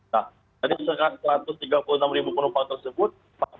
nah dari satu ratus tiga puluh enam ribu penumpang tersebut